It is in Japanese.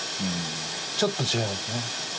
ちょっと違いますね。